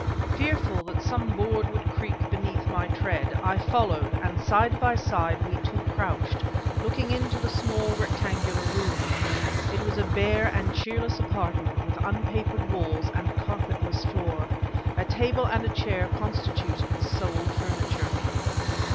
Fearful that some board would creak beneath my tread, I followed; and side by side we two crouched, looking into a small rectangular room. It was a bare and cheerless apartment with unpapered walls and carpetless floor. A table and a chair constituted the sole furniture.